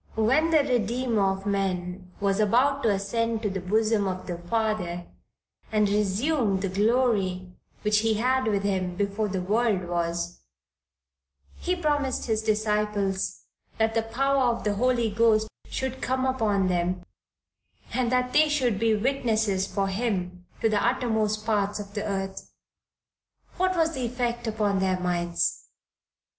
When the Redeemer of men was about to ascend to the bosom of the Father and resume the glory which he had with Him before the world was, he promised his disciples that the power of the Holy Ghost should come upon them, and that they should be witnesses for Him to the uttermost parts of the earth. What was the effect upon their minds?"